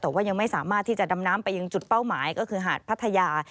แต่ว่ายังไม่สามารถที่จะดำน้ำไปยังจุดเป้าหมายก็คือหาดพัทยา